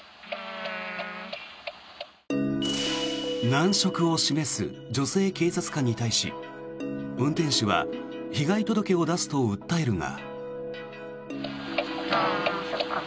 難色を示す女性警察官に対し運転手は被害届を出すと訴えるが。